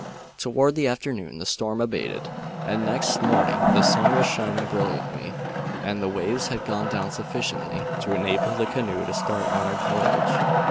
Toward the afternoon the storm abated, and next morning the sun was shining brilliantly and the waves had gone down sufficiently to enable the canoe to start on her voyage.